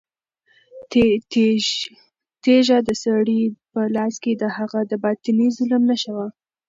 تیږه د سړي په لاس کې د هغه د باطني ظلم نښه وه.